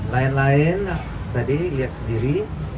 lain lain tadi lihat sendiri